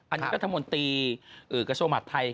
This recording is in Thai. อันนี้กระทะมนตรีกระชวมหัภัย